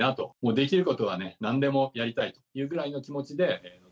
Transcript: できることはね、なんでもやりたいというぐらいの気持ちで。